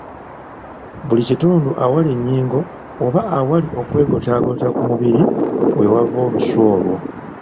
Buli kitundu awali ennyingo, oba awali okwegotaagota ku mubiri, weewava olusu olwo.